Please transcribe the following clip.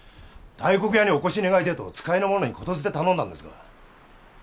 大黒屋にお越し願いてえと使いの者に言づて頼んだんですが。